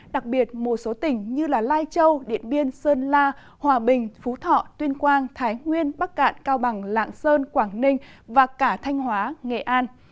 đặc biệt một số tỉnh như lai châu điện biên sơn la hòa bình phú thọ tuyên quang thái nguyên bắc cạn cao bằng lạng sơn quảng ninh và cả thanh hóa nghệ an